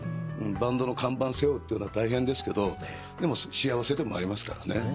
バンドの看板背負うっていうのは大変ですけどでも幸せでもありますからね。